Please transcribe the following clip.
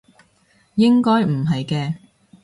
應該唔係嘅